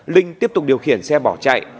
linh tiếp tục điều khiển xe bỏ chạy